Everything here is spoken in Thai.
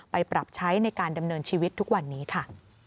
ไปปรับใช้ในการดำเนินชีวิตทุกวันนี้ค่ะ